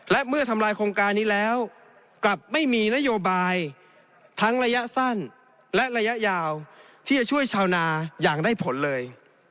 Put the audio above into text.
และเมื่อทำลายโครงการนี้แล้วกลับไม่มีนโยบายทั้งระยะสั้นและระยะยาวที่จะช่วยชาวนาอย่างได้ผลเลย